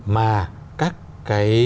mà các cơ quan